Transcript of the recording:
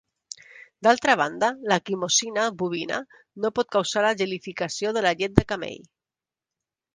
D’altra banda la quimosina bovina no pot causar la gelificació de la llet de camell.